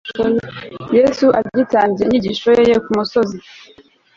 yesu agitangira inyigisho ye yo ku musozi